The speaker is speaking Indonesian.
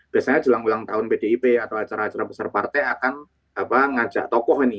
biasanya jelang ulang tahun pdip atau acara acara besar partai akan ngajak tokoh ini